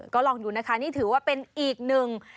ก็ลองดูนะคะนี่ถือว่าเป็นอีกหนึ่ง